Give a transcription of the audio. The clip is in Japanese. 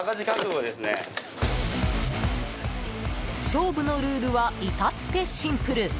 勝負のルールは至ってシンプル。